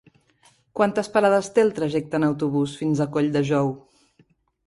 Quantes parades té el trajecte en autobús fins a Colldejou?